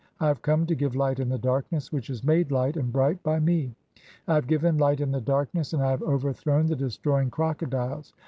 I have come to give light in the darkness, which "is made light and bright [by me]. I have given light in the "darkness, (10) and I have overthrown the destroying crocodiles.